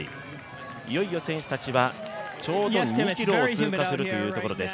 いよいよ選手たちは２ｋｍを通過するというところです。